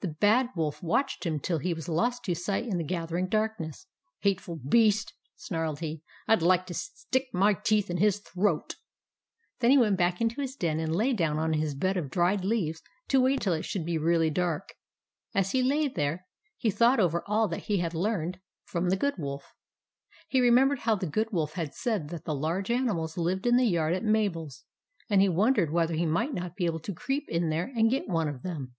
The Bad Wolf watched him till he was lost to sight in the gathering darkness. " Hateful beast !" snarled he. " I'd like to stick my teeth in his throat !" Then he went back into his den and lay down on his bed of dried leaves to wait till it should be really dark. As he lay there, he thought over all that he had learned from 136 THE ADVENTURES OF MABEL the Good Wolf. He remembered how the Good Wolf had said that the large animals lived in the yard at Mabel's ; and he won dered whether he might not be able to creep in there and get one of them.